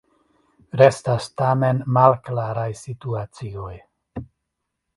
Restas tamen malklaraj situacioj.